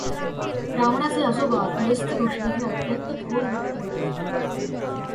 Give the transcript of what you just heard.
रावणाचे आजोबा पुलस्त्य ऋषी हे अत्यंत थोर व्यक्ती होते.